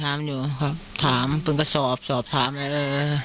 ถามอยู่ครับถามกระสอบถามแล้วเออ